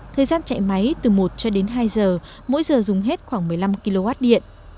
thời gian chạy máy từ một cho đến hai giờ mỗi giờ dùng hết khoảng một mươi năm kw điện